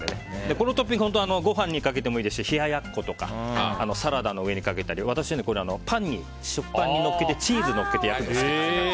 このトッピングごはんにかけてもいいですし冷ややっことかサラダの上にかけたり私は食パンにのせてチーズのっけて焼くの好きなんです。